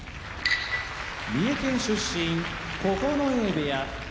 三重県出身九重部屋